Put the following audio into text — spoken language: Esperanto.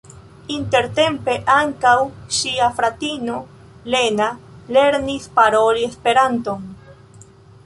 Intertempe ankaŭ ŝia fratino Lena lernis paroli Esperanton.